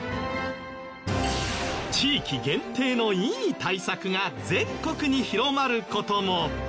地域限定のいい対策が全国に広まる事も！